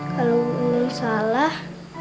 kalau uyan salah